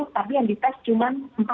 dua puluh tapi yang dites cuma